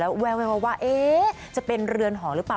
แล้วแววว่าจะเป็นเรือนหอหรือเปล่า